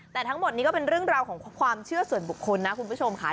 แต่ทั้งหมดนี้ก็เป็นเรื่องราวของความเชื่อส่วนบุคคลนะคุณผู้ชมค่ะ